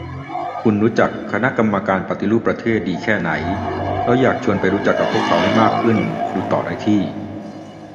คุณรู้จัก คณะกรรมการปฏิรูปประเทศ ดีแค่ไหน ? เราอยากชวนไปรู้จักพวกเขาให้มากขึ้น ดูต่อได้ที่